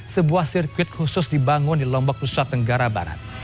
sebuah sirkuit khusus dibangun di lombok nusa tenggara barat